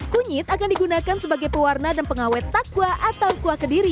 kunyit akan digunakan sebagai pewarna dan pengawet takwa atau kuah kediri